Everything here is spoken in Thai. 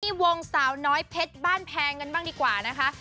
วงสาวน้อยเพชรบ้านแพงกันบ้างดีกว่านะคะ